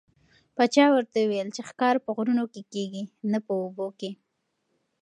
پاچا ورته وویل چې ښکار په غرونو کې کېږي نه په اوبو کې.